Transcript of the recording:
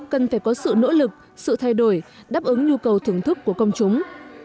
cần phải có sự nỗ lực sự thay đổi đáp ứng nhu cầu thưởng thức của công chúng